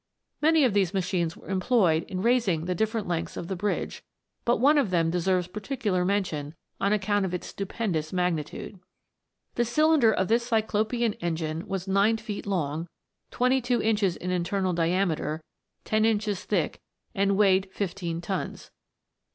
Many of these machines were employed in raising the different lengths of 334 THE WONDERFUL LAMP. the bridge ; but one of them deserves particular mention on account of its stupendous magnitude. The cylinder of this Cyclopean engine was nine feet long, twenty two inches in internal diameter, ten inches thick, and weighed fifteen tons.